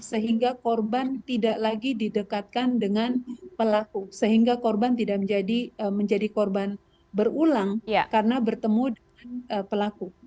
sehingga korban tidak lagi didekatkan dengan pelaku sehingga korban tidak menjadi korban berulang karena bertemu dengan pelaku